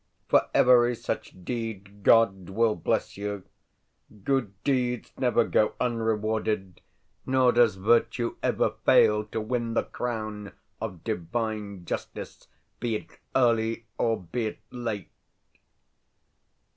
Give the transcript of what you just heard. For every such deed God will bless you. Good deeds never go unrewarded, nor does virtue ever fail to win the crown of divine justice, be it early or be it late.